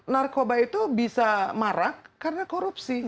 narkoba itu bisa marak karena korupsi